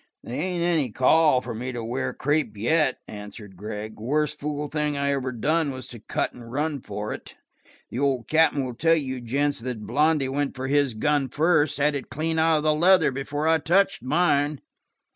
"They ain't any call for me to wear crepe yet," answered Gregg. "Worst fool thing I ever done was to cut and run for it. The old Captain will tell you gents that Blondy went for his gun first had it clean out of the leather before I touched mine."